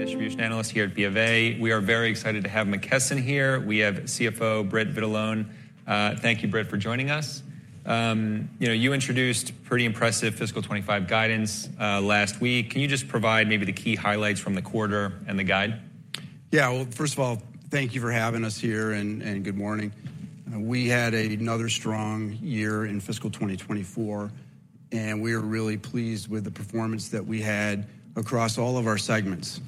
and distribution analyst here at BofA. We are very excited to have McKesson here. We have CFO, Britt Vitalone. Thank you, Britt, for joining us. You know, you introduced pretty impressive fiscal 2025 guidance, last week. Can you just provide maybe the key highlights from the quarter and the guide? Yeah, well, first of all, thank you for having us here, and, and good morning. We had another strong year in fiscal 2024, and we are really pleased with the performance that we had across all of our segments.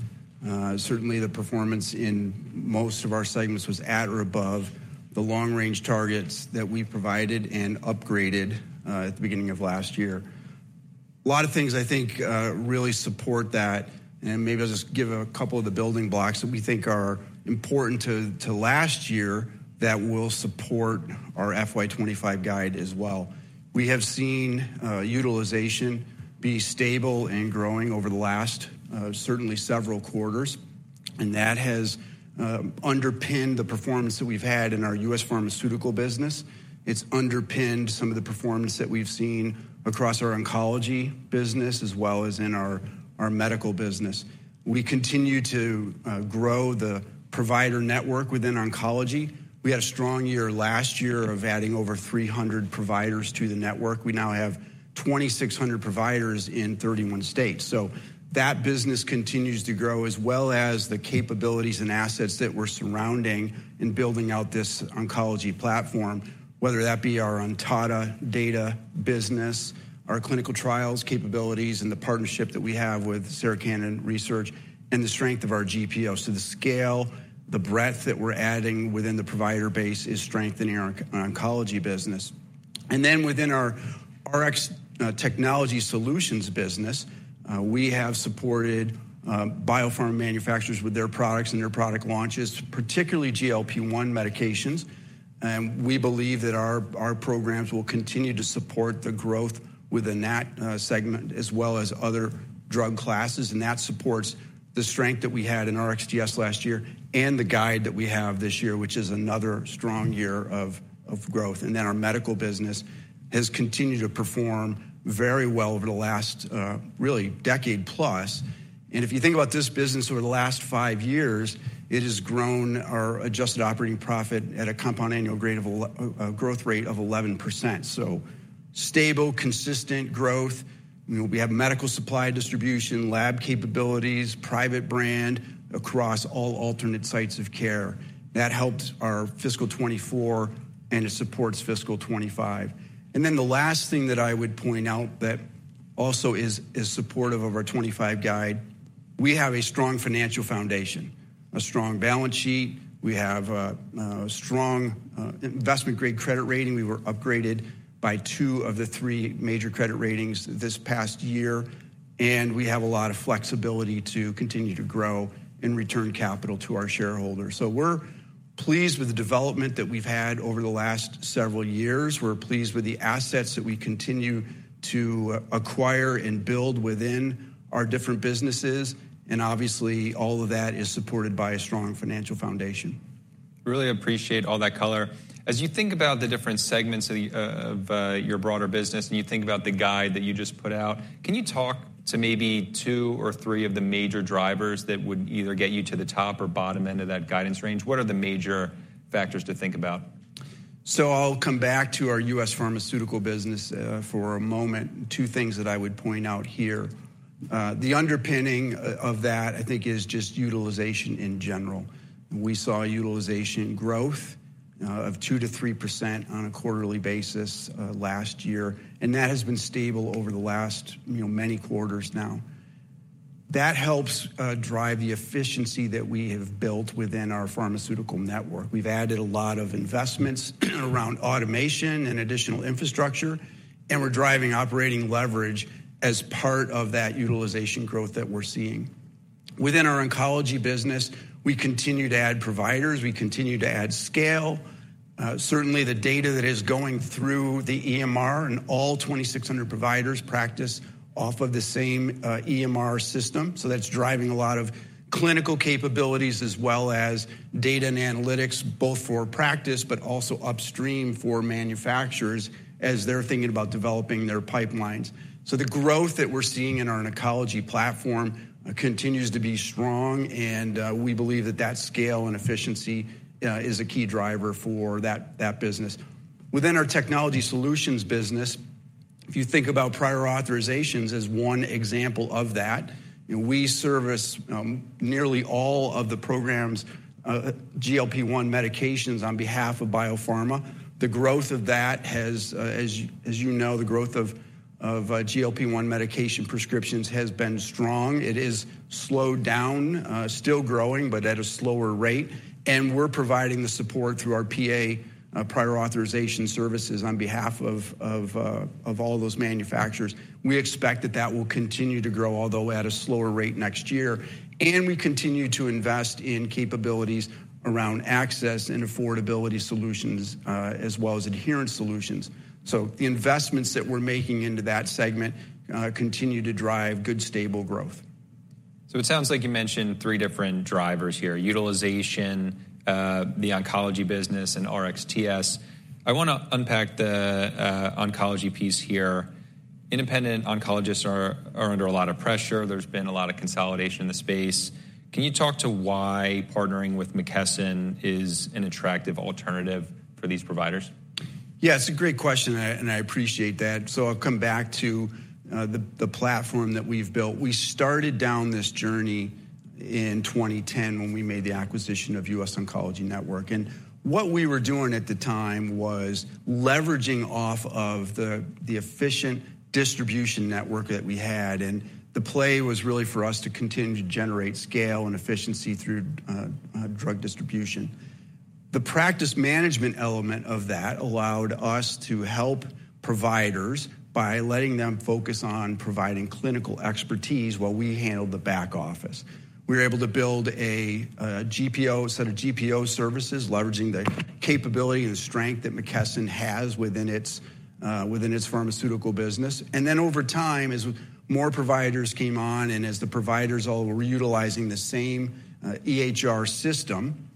Certainly, the performance in most of our segments was at or above the long-range targets that we provided and upgraded at the beginning of last year. A lot of things, I think, really support that, and maybe I'll just give a couple of the building blocks that we think are important to, to last year that will support our FY 2025 guide as well. We have seen utilization be stable and growing over the last certainly several quarters, and that has underpinned the performance that we've had in our U.S. Pharmaceutical business. It's underpinned some of the performance that we've seen across our oncology business, as well as in our, our medical business. We continue to grow the provider network within oncology. We had a strong year last year of adding over 300 providers to the network. We now have 2,600 providers in 31 states. So that business continues to grow, as well as the capabilities and assets that we're surrounding in building out this oncology platform, whether that be our Ontada data business, our clinical trials capabilities, and the partnership that we have with Sarah Cannon Research, and the strength of our GPOs. So the scale, the breadth that we're adding within the provider base is strengthening our oncology business. And then within our Rx Technology Solutions business, we have supported biopharma manufacturers with their products and their product launches, particularly GLP-1 medications. We believe that our programs will continue to support the growth within that segment, as well as other drug classes, and that supports the strength that we had in RxTS last year and the guide that we have this year, which is another strong year of growth. Our medical business has continued to perform very well over the last really decade plus. If you think about this business over the last five years, it has grown our adjusted operating profit at a compound annual growth rate of 11%. So stable, consistent growth. We have medical supply distribution, lab capabilities, private brand across all alternate sites of care. That helped our fiscal 2024, and it supports fiscal 2025. And then the last thing that I would point out that also is supportive of our 2025 guide, we have a strong financial foundation, a strong balance sheet. We have a strong investment-grade credit rating. We were upgraded by two of the three major credit ratings this past year, and we have a lot of flexibility to continue to grow and return capital to our shareholders. So we're pleased with the development that we've had over the last several years. We're pleased with the assets that we continue to acquire and build within our different businesses, and obviously, all of that is supported by a strong financial foundation. Really appreciate all that color. As you think about the different segments of your broader business, and you think about the guide that you just put out, can you talk to maybe two or three of the major drivers that would either get you to the top or bottom end of that guidance range? What are the major factors to think about? So I'll come back to our U.S. Pharmaceutical business, for a moment. Two things that I would point out here. The underpinning of that, I think, is just utilization in general. We saw utilization growth of 2%-3% on a quarterly basis, last year, and that has been stable over the last, you know, many quarters now. That helps drive the efficiency that we have built within our pharmaceutical network. We've added a lot of investments around automation and additional infrastructure, and we're driving operating leverage as part of that utilization growth that we're seeing. Within our oncology business, we continue to add providers, we continue to add scale. Certainly, the data that is going through the EMR and all 2,600 providers practice off of the same EMR system. So that's driving a lot of clinical capabilities, as well as data and analytics, both for practice, but also upstream for manufacturers as they're thinking about developing their pipelines. So the growth that we're seeing in our oncology platform continues to be strong, and we believe that that scale and efficiency is a key driver for that business. Within our technology solutions business, if you think about prior authorizations as one example of that, we service nearly all of the programs, GLP-1 medications on behalf of biopharma. The growth of that has, as you know, the growth of GLP-1 medication prescriptions has been strong. It has slowed down, still growing, but at a slower rate. And we're providing the support through our PA Prior Authorization services on behalf of all those manufacturers. We expect that that will continue to grow, although at a slower rate next year, and we continue to invest in capabilities around access and affordability solutions, as well as adherence solutions. So the investments that we're making into that segment continue to drive good, stable growth. So it sounds like you mentioned three different drivers here: utilization, the oncology business, and RxTS. I want to unpack the oncology piece here. Independent oncologists are under a lot of pressure. There's been a lot of consolidation in the space. Can you talk to why partnering with McKesson is an attractive alternative for these providers? Yeah, it's a great question, and I appreciate that. So I'll come back to the platform that we've built. We started down this journey in 2010, when we made the acquisition of U.S. Oncology Network. And what we were doing at the time was leveraging off of the efficient distribution network that we had, and the play was really for us to continue to generate scale and efficiency through drug distribution. The practice management element of that allowed us to help providers by letting them focus on providing clinical expertise while we handled the back office. We were able to build a GPO, a set of GPO services, leveraging the capability and strength that McKesson has within its pharmaceutical business. And then over time, as more providers came on and as the providers all were utilizing the same EHR system,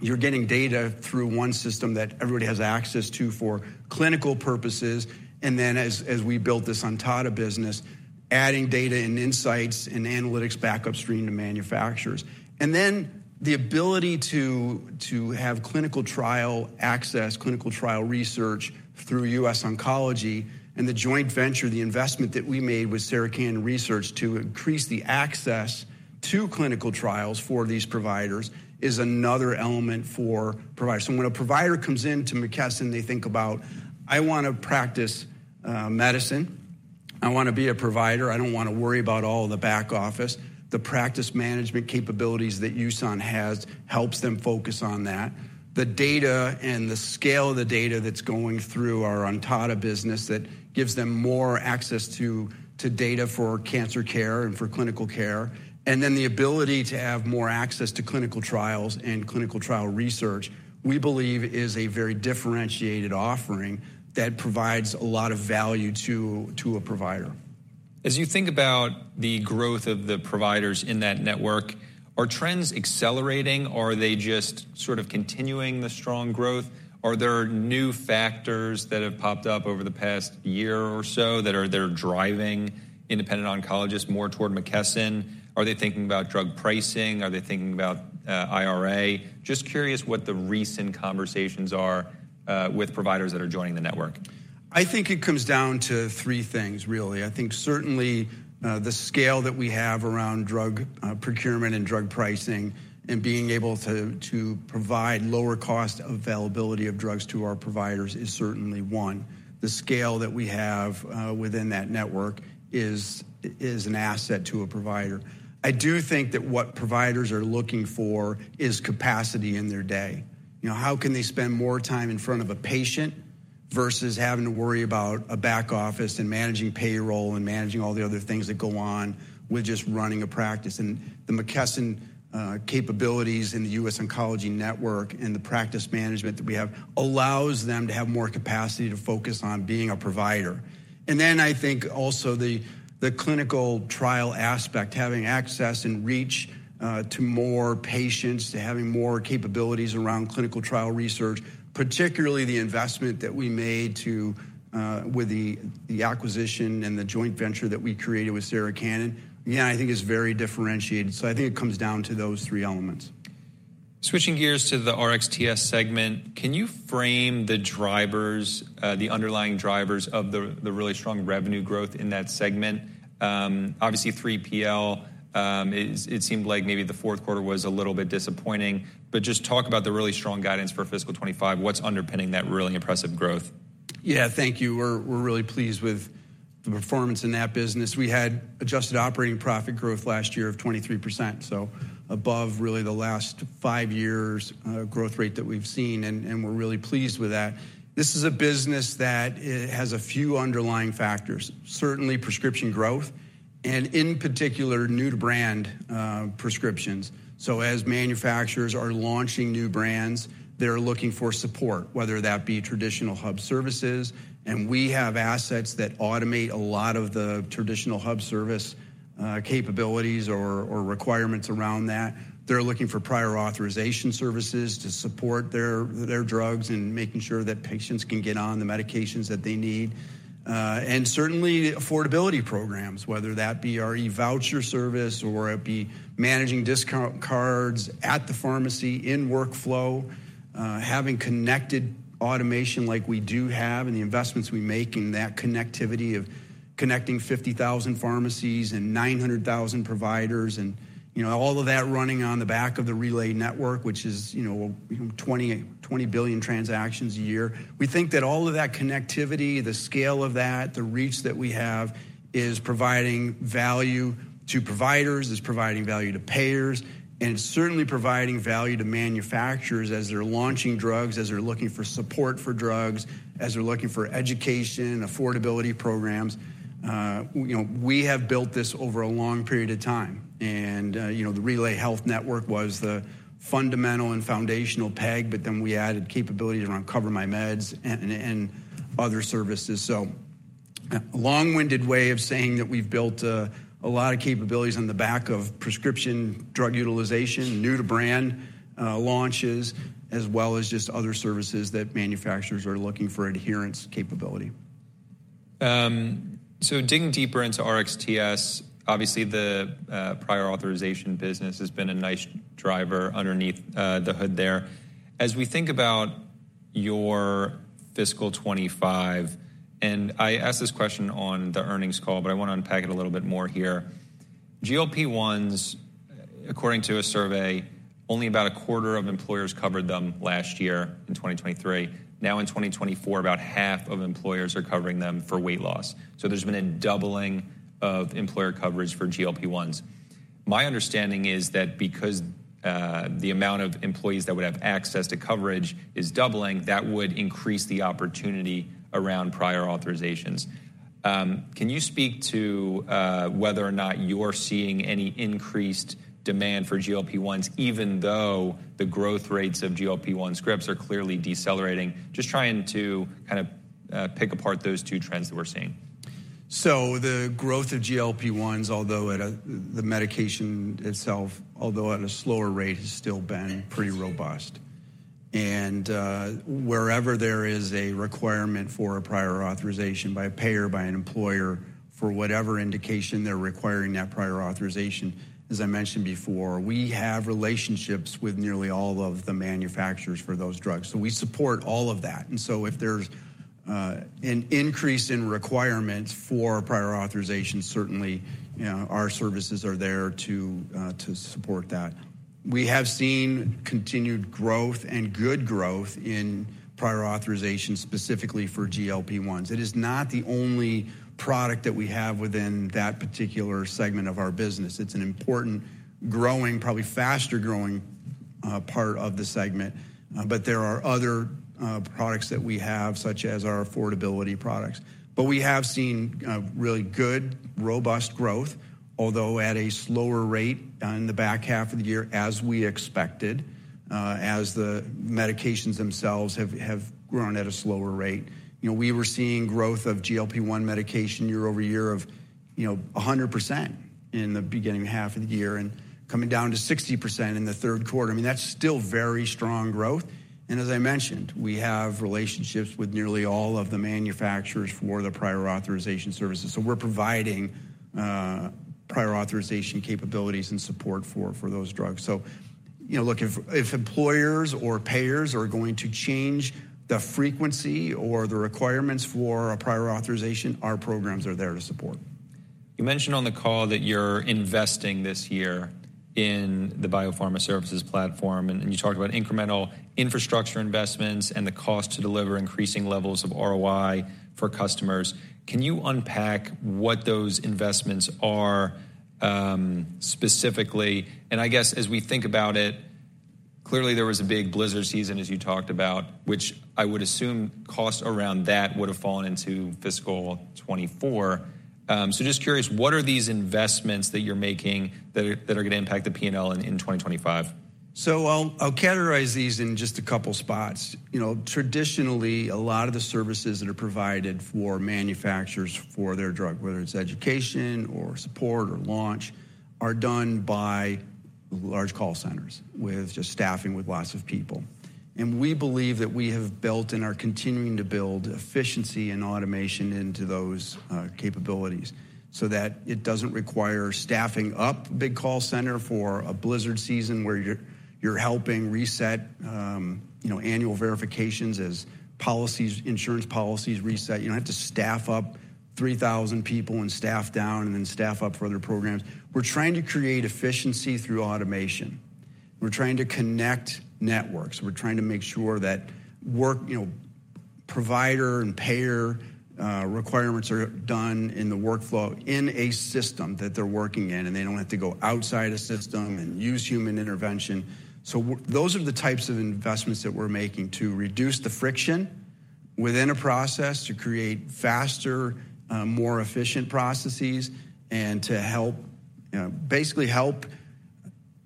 you're getting data through one system that everybody has access to for clinical purposes. And then as we built this Ontada business, adding data and insights and analytics back upstream to manufacturers. And then the ability to have clinical trial access, clinical trial research through US Oncology and the joint venture, the investment that we made with Sarah Cannon Research to increase the access to clinical trials for these providers, is another element for providers. So when a provider comes into McKesson, they think about, "I want to practice medicine. I want to be a provider. I don't want to worry about all the back office." The practice management capabilities that USON has helps them focus on that. The data and the scale of the data that's going through our Ontada business, that gives them more access to data for cancer care and for clinical care. Then the ability to have more access to clinical trials and clinical trial research, we believe is a very differentiated offering that provides a lot of value to a provider. As you think about the growth of the providers in that network, are trends accelerating, or are they just sort of continuing the strong growth? Are there new factors that have popped up over the past year or so that are driving independent oncologists more toward McKesson? Are they thinking about drug pricing? Are they thinking about IRA? Just curious what the recent conversations are with providers that are joining the network. I think it comes down to three things, really. I think certainly, the scale that we have around drug procurement and drug pricing, and being able to, to provide lower cost availability of drugs to our providers is certainly one. The scale that we have, within that network is, is an asset to a provider. I do think that what providers are looking for is capacity in their day. You know, how can they spend more time in front of a patient versus having to worry about a back office and managing payroll and managing all the other things that go on with just running a practice? And the McKesson capabilities in the U.S. Oncology Network and the practice management that we have allows them to have more capacity to focus on being a provider. And then I think also the, the clinical trial aspect, having access and reach to more patients, to having more capabilities around clinical trial research, particularly the investment that we made to, with the, the acquisition and the joint venture that we created with Sarah Cannon, yeah, I think is very differentiated. So, I think it comes down to those three elements. Switching gears to the RxTS segment, can you frame the drivers, the underlying drivers of the really strong revenue growth in that segment? Obviously, 3PL, it seemed like maybe the fourth quarter was a little bit disappointing. But just talk about the really strong guidance for fiscal 2025. What's underpinning that really impressive growth? Yeah, thank you. We're really pleased with the performance in that business. We had adjusted operating profit growth last year of 23%, so above really the last five years' growth rate that we've seen, and we're really pleased with that. This is a business that has a few underlying factors. Certainly, prescription growth, and in particular, new to brand prescriptions. So as manufacturers are launching new brands, they're looking for support, whether that be traditional hub services, and we have assets that automate a lot of the traditional hub service capabilities or requirements around that. They're looking for prior authorization services to support their drugs and making sure that patients can get on the medications that they need. And certainly, affordability programs, whether that be our eVoucher service or it be managing discount cards at the pharmacy in workflow, having connected automation like we do have, and the investments we make in that connectivity of connecting 50,000 pharmacies and 900,000 providers and, you know, all of that running on the back of the Relay network, which is, you know, 20 billion transactions a year. We think that all of that connectivity, the scale of that, the reach that we have, is providing value to providers, is providing value to payers, and it's certainly providing value to manufacturers as they're launching drugs, as they're looking for support for drugs, as they're looking for education, affordability programs. You know, we have built this over a long period of time, and, you know, the RelayHealth network was the fundamental and foundational peg, but then we added capability around CoverMyMeds and, and other services. So, a long-winded way of saying that we've built a, a lot of capabilities on the back of prescription drug utilization, new to brand, launches, as well as just other services that manufacturers are looking for adherence capability. So digging deeper into RxTS, obviously the prior authorization business has been a nice driver underneath the hood there. As we think about your fiscal 2025, and I asked this question on the earnings call, but I want to unpack it a little bit more here. GLP-1s, according to a survey, only about a quarter of employers covered them last year in 2023. Now, in 2024, about half of employers are covering them for weight loss. So there's been a doubling of employer coverage for GLP-1s. My understanding is that because the amount of employees that would have access to coverage is doubling, that would increase the opportunity around prior authorizations. Can you speak to whether or not you're seeing any increased demand for GLP-1s, even though the growth rates of GLP-1 scripts are clearly decelerating? Just trying to kind of, pick apart those two trends that we're seeing. The growth of GLP-1s, although the medication itself, although at a slower rate, has still been pretty robust. Wherever there is a requirement for a prior authorization by a payer, by an employer, for whatever indication they're requiring that prior authorization, as I mentioned before, we have relationships with nearly all of the manufacturers for those drugs, so we support all of that. If there's an increase in requirements for prior authorization, certainly, you know, our services are there to support that. We have seen continued growth and good growth in prior authorizations, specifically for GLP-1s. It is not the only product that we have within that particular segment of our business. It's an important, growing, probably faster-growing, part of the segment. There are other products that we have, such as our affordability products. But we have seen, really good, robust growth, although at a slower rate in the back half of the year, as we expected, as the medications themselves have grown at a slower rate. You know, we were seeing growth of GLP-1 medication year-over-year of, you know, 100% in the beginning half of the year and coming down to 60% in the third quarter. I mean, that's still very strong growth, and as I mentioned, we have relationships with nearly all of the manufacturers for the prior authorization services. So we're providing, prior authorization capabilities and support for those drugs. So, you know, look, if employers or payers are going to change the frequency or the requirements for a prior authorization, our programs are there to support. You mentioned on the call that you're investing this year in the biopharma services platform, and you talked about incremental infrastructure investments and the cost to deliver increasing levels of ROI for customers. Can you unpack what those investments are, specifically? I guess as we think about it, clearly, there was a big blizzard season, as you talked about, which I would assume cost around that would have fallen into fiscal 2024. So just curious, what are these investments that you're making that are going to impact the P&L in 2025? So I'll categorize these in just a couple spots. You know, traditionally, a lot of the services that are provided for manufacturers for their drug, whether it's education or support or launch, are done by large call centers with just staffing with lots of people. And we believe that we have built and are continuing to build efficiency and automation into those capabilities so that it doesn't require staffing up big call center for a blizzard season where you're helping reset, you know, annual verifications as policies, insurance policies reset. You don't have to staff up 3,000 people and staff down and then staff up for other programs. We're trying to create efficiency through automation. We're trying to connect networks. We're trying to make sure that work. You know, provider and payer requirements are done in the workflow in a system that they're working in, and they don't have to go outside a system and use human intervention. So those are the types of investments that we're making to reduce the friction within a process, to create faster, more efficient processes, and to help, you know, basically help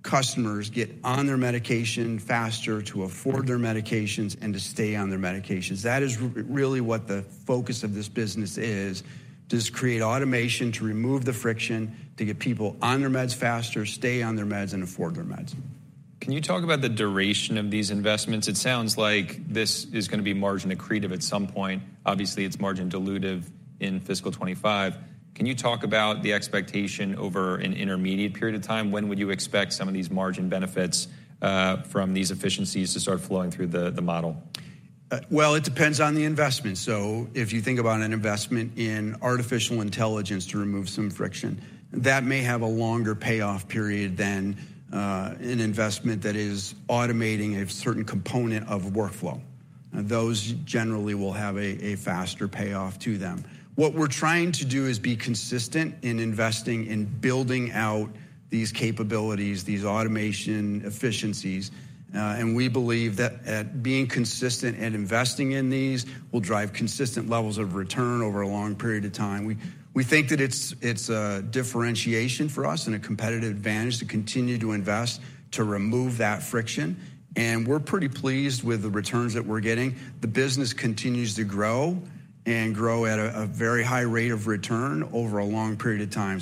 customers get on their medication faster, to afford their medications, and to stay on their medications. That is really what the focus of this business is, just create automation to remove the friction, to get people on their meds faster, stay on their meds, and afford their meds. Can you talk about the duration of these investments? It sounds like this is going to be margin accretive at some point. Obviously, it's margin dilutive in fiscal 2025. Can you talk about the expectation over an intermediate period of time? When would you expect some of these margin benefits from these efficiencies to start flowing through the model? Well, it depends on the investment. So if you think about an investment in artificial intelligence to remove some friction, that may have a longer payoff period than an investment that is automating a certain component of workflow. Those generally will have a faster payoff to them. What we're trying to do is be consistent in investing, in building out these capabilities, these automation efficiencies, and we believe that, at being consistent and investing in these will drive consistent levels of return over a long period of time. We think that it's a differentiation for us and a competitive advantage to continue to invest, to remove that friction, and we're pretty pleased with the returns that we're getting. The business continues to grow and grow at a very high rate of return over a long period of time.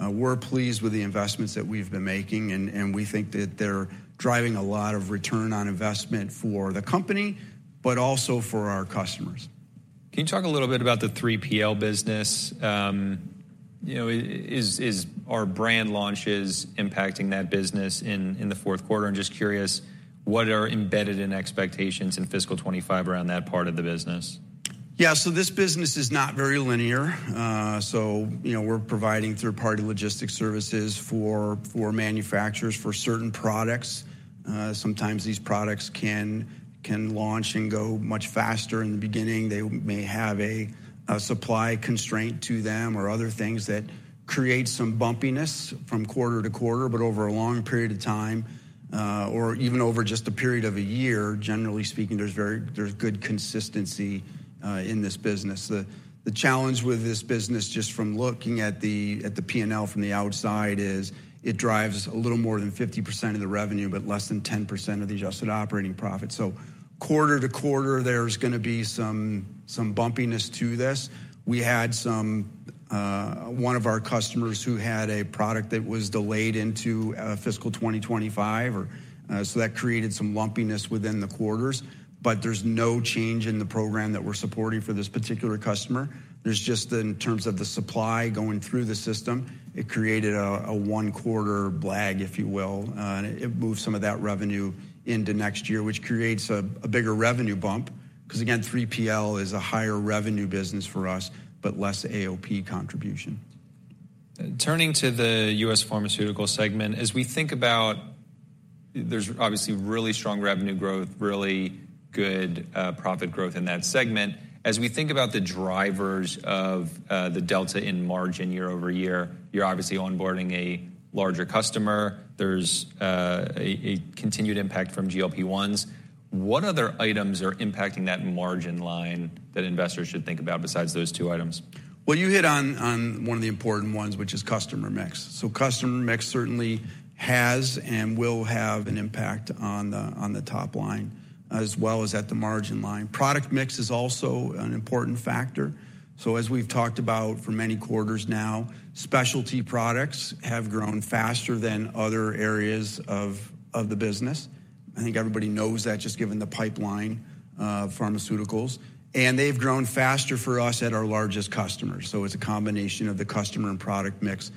We're pleased with the investments that we've been making, and we think that they're driving a lot of return on investment for the company, but also for our customers. Can you talk a little bit about the 3PL business? You know, is our brand launches impacting that business in the fourth quarter? I'm just curious, what are embedded in expectations in fiscal 2025 around that part of the business? Yeah, so this business is not very linear. So, you know, we're providing third-party logistics services for manufacturers, for certain products. Sometimes these products can launch and go much faster in the beginning. They may have a supply constraint to them or other things that create some bumpiness from quarter to quarter, but over a long period of time, or even over just a period of a year, generally speaking, there's good consistency in this business. The challenge with this business, just from looking at the P&L from the outside, is it drives a little more than 50% of the revenue, but less than 10% of the Adjusted Operating Profit. So, quarter-to-quarter, there's gonna be some bumpiness to this. We had some one of our customers who had a product that was delayed into fiscal 2025 or so that created some lumpiness within the quarters. But there's no change in the program that we're supporting for this particular customer. There's just, in terms of the supply going through the system, it created a one-quarter lag, if you will, it moved some of that revenue into next year, which creates a bigger revenue bump, 'cause, again, 3PL is a higher revenue business for us, but less AOP contribution. Turning to the U.S. Pharmaceutical segment, as we think about. There's obviously really strong revenue growth, really good profit growth in that segment. As we think about the drivers of the delta in margin year-over-year, you're obviously onboarding a larger customer. There's a continued impact from GLP-1s. What other items are impacting that margin line that investors should think about besides those two items? Well, you hit on one of the important ones, which is customer mix. So customer mix certainly has and will have an impact on the top line, as well as at the margin line. Product mix is also an important factor. So as we've talked about for many quarters now, specialty products have grown faster than other areas of the business. I think everybody knows that, just given the pipeline, pharmaceuticals, and they've grown faster for us at our largest customers. So it's a combination of the customer and product mix,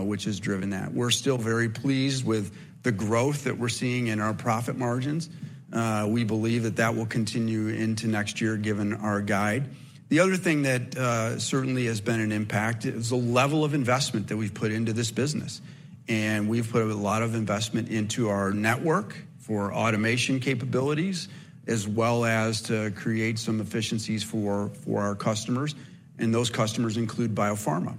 which has driven that. We're still very pleased with the growth that we're seeing in our profit margins. We believe that that will continue into next year, given our guide. The other thing that certainly has been an impact is the level of investment that we've put into this business. And we've put a lot of investment into our network for automation capabilities, as well as to create some efficiencies for our customers, and those customers include biopharma.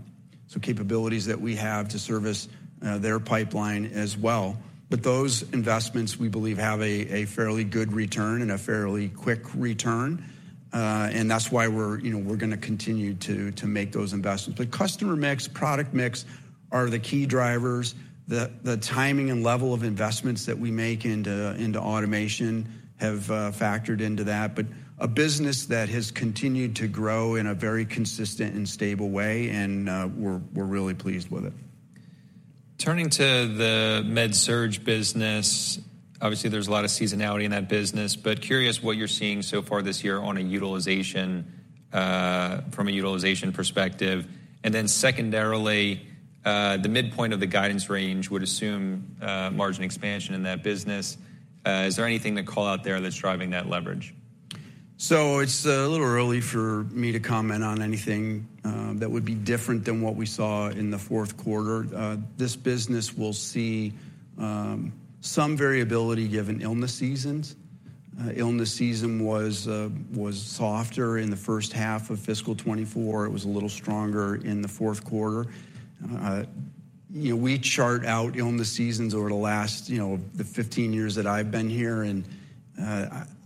So capabilities that we have to service their pipeline as well. But those investments, we believe, have a fairly good return and a fairly quick return, and that's why we're, you know, gonna continue to make those investments. But customer mix, product mix are the key drivers. The timing and level of investments that we make into automation have factored into that. But a business that has continued to grow in a very consistent and stable way, and we're really pleased with it. Turning to the Med-Surg business, obviously, there's a lot of seasonality in that business, but curious what you're seeing so far this year on a utilization, from a utilization perspective. And then secondarily, the midpoint of the guidance range would assume, margin expansion in that business. Is there anything to call out there that's driving that leverage? So it's a little early for me to comment on anything that would be different than what we saw in the fourth quarter. This business will see some variability given illness seasons. Illness season was softer in the first half of fiscal 2024. It was a little stronger in the fourth quarter. You know, we chart out illness seasons over the last, you know, the 15 years that I've been here, and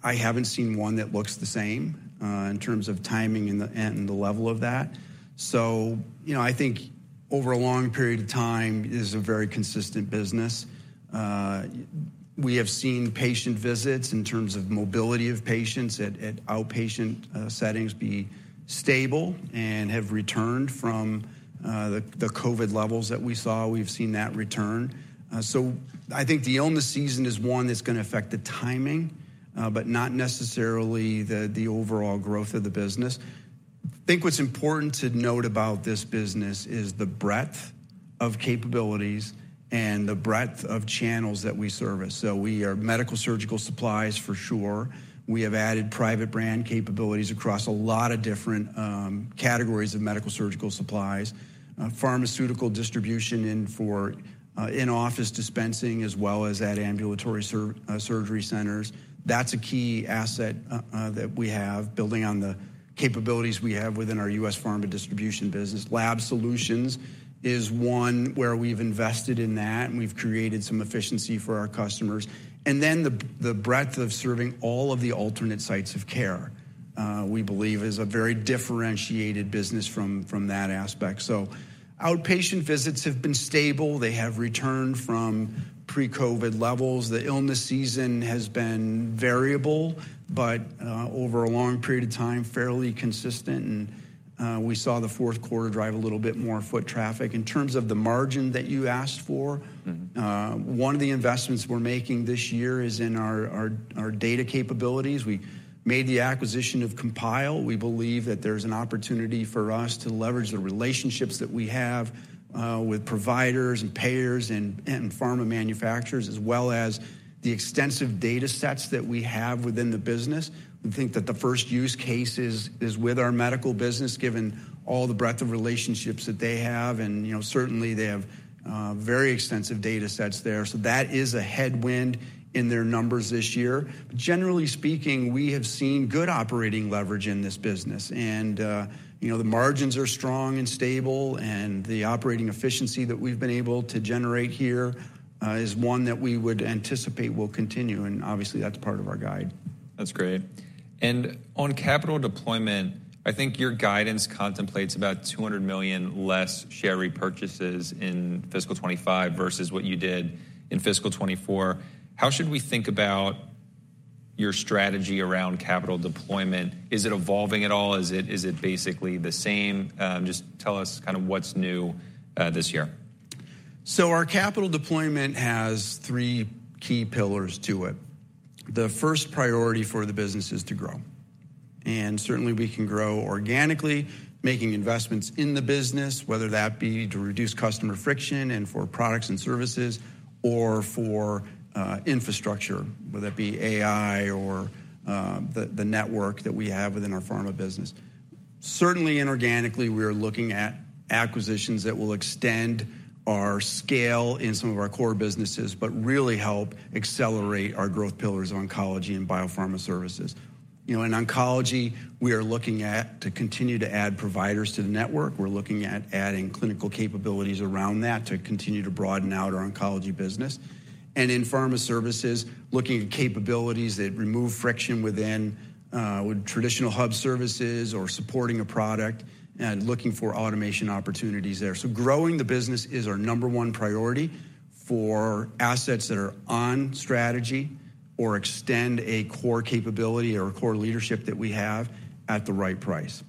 I haven't seen one that looks the same in terms of timing and the level of that. So, you know, I think over a long period of time, it is a very consistent business. We have seen patient visits, in terms of mobility of patients at outpatient settings, be stable and have returned from the COVID levels that we saw. We've seen that return. So I think the illness season is one that's gonna affect the timing, but not necessarily the overall growth of the business. I think what's important to note about this business is the breadth of capabilities and the breadth of channels that we service. So we are medical surgical supplies for sure. We have added private brand capabilities across a lot of different categories of medical surgical supplies, pharmaceutical distribution in-office dispensing, as well as at ambulatory surgery centers. That's a key asset that we have, building on the capabilities we have within our U.S. pharma distribution business. Lab Solutions is one where we've invested in that, and we've created some efficiency for our customers. Then the breadth of serving all of the alternate sites of care, we believe is a very differentiated business from that aspect. So outpatient visits have been stable. They have returned from pre-COVID levels. The illness season has been variable, but over a long period of time, fairly consistent, and we saw the fourth quarter drive a little bit more foot traffic. In terms of the margin that you asked for- Mm-hmm. One of the investments we're making this year is in our data capabilities. We made the acquisition of Compile. We believe that there's an opportunity for us to leverage the relationships that we have with providers and payers and pharma manufacturers, as well as the extensive data sets that we have within the business. We think that the first use case is with our medical business, given all the breadth of relationships that they have, and you know, certainly they have very extensive data sets there. So that is a headwind in their numbers this year. Generally speaking, we have seen good operating leverage in this business. You know, the margins are strong and stable, and the operating efficiency that we've been able to generate here is one that we would anticipate will continue, and obviously, that's part of our guide. That's great. And on capital deployment, I think your guidance contemplates about $200 million less share repurchases in fiscal 2025 versus what you did in fiscal 2024. How should we think about your strategy around capital deployment? Is it evolving at all? Is it, is it basically the same? Just tell us kinda what's new, this year. So our capital deployment has three key pillars to it. The first priority for the business is to grow. Certainly, we can grow organically, making investments in the business, whether that be to reduce customer friction and for products and services or for infrastructure, whether that be AI or the network that we have within our pharma business. Certainly, inorganically, we are looking at acquisitions that will extend our scale in some of our core businesses, but really help accelerate our growth pillars, oncology and biopharma services. You know, in oncology, we are looking at to continue to add providers to the network. We're looking at adding clinical capabilities around that to continue to broaden out our oncology business. In pharma services, looking at capabilities that remove friction within with traditional hub services or supporting a product and looking for automation opportunities there. So growing the business is our number one priority for assets that are on strategy or extend a core capability or a core leadership that we have at the right price.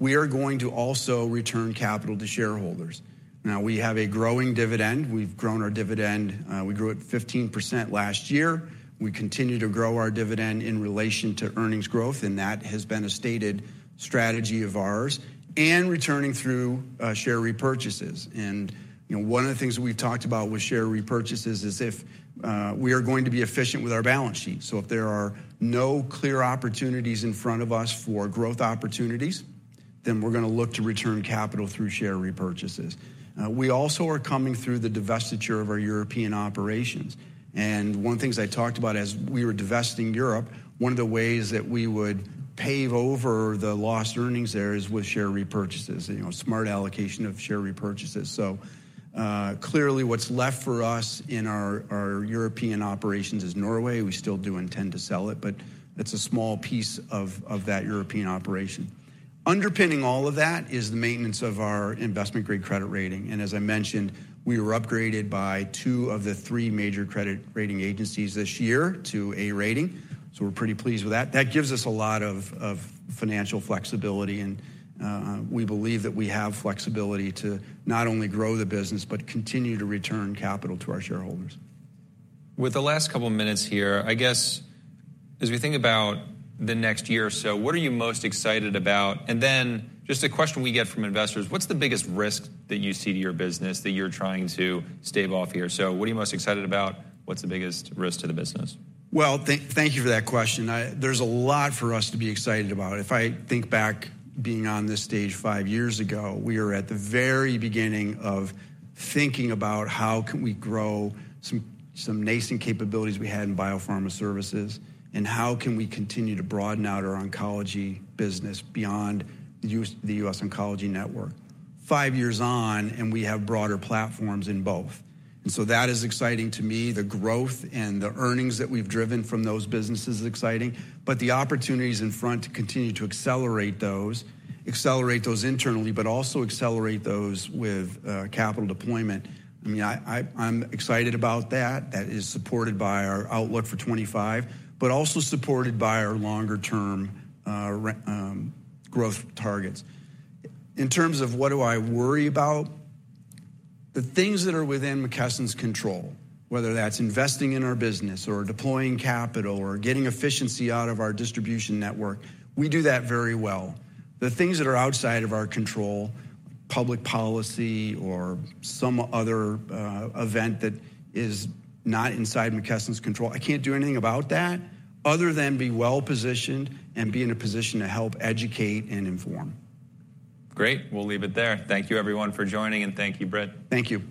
We are going to also return capital to shareholders. Now, we have a growing dividend. We've grown our dividend, we grew it 15% last year. We continue to grow our dividend in relation to earnings growth, and that has been a stated strategy of ours, and returning through share repurchases. And, you know, one of the things we've talked about with share repurchases is if we are going to be efficient with our balance sheet. So if there are no clear opportunities in front of us for growth opportunities, then we're gonna look to return capital through share repurchases. We also are coming through the divestiture of our European operations, and one of the things I talked about as we were divesting Europe, one of the ways that we would pave over the lost earnings there is with share repurchases, you know, smart allocation of share repurchases. So, clearly, what's left for us in our, our European operations is Norway. We still do intend to sell it, but it's a small piece of, of that European operation. Underpinning all of that is the maintenance of our investment-grade credit rating, and as I mentioned, we were upgraded by two of the three major credit rating agencies this year to A rating, so we're pretty pleased with that. That gives us a lot of, of financial flexibility, and, we believe that we have flexibility to not only grow the business, but continue to return capital to our shareholders. With the last couple of minutes here, I guess, as we think about the next year or so, what are you most excited about? And then just a question we get from investors: What's the biggest risk that you see to your business that you're trying to stave off here? So what are you most excited about? What's the biggest risk to the business? Well, thank, thank you for that question. There's a lot for us to be excited about. If I think back being on this stage five years ago, we were at the very beginning of thinking about how can we grow some, some nascent capabilities we had in biopharma services, and how can we continue to broaden out our oncology business beyond the U.S. Oncology Network. Five years on, and we have broader platforms in both. And so that is exciting to me. The growth and the earnings that we've driven from those business is exciting, but the opportunities in front to continue to accelerate those, accelerate those internally, but also accelerate those with capital deployment, I mean, I'm excited about that. That is supported by our outlook for 2025, but also supported by our longer-term growth targets. In terms of what do I worry about? The things that are within McKesson's control, whether that's investing in our business or deploying capital or getting efficiency out of our distribution network, we do that very well. The things that are outside of our control, public policy or some other, event that is not inside McKesson's control, I can't do anything about that other than be well-positioned and be in a position to help educate and inform. Great! We'll leave it there. Thank you, everyone, for joining, and thank you, Britt. Thank you.